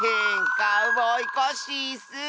カウボーイコッシーッス。